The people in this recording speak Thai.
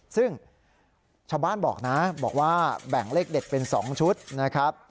ซึ่งชาวบ้านบอกนะบอกว่าแบ่งเลขเด็ดเป็น๒ชุดนะครับ